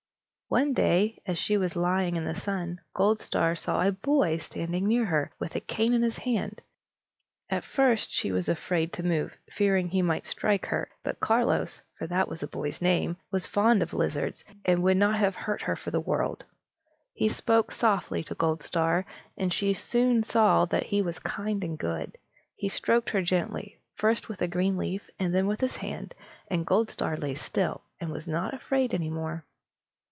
One day, as she was lying in the sun, Goldstar saw a boy standing near her, with a cane in his hand. At first she was afraid to move, fearing he might strike her; but Carlos (for that was the boy's name) was fond of lizards, and would not have hurt one for the world. He spoke softly to Goldstar, and she soon saw that he was kind and good. He stroked her gently, first with a green leaf, then with his hand, and Goldstar lay still, and was not afraid any more.